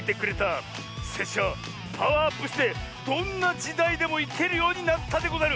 せっしゃはパワーアップしてどんなじだいでもいけるようになったでござる！